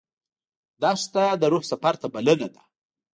دښته د روح سفر ته بلنه ده.